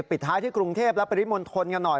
ปิดท้ายที่กรุงเทพและปริมณฑลกันหน่อย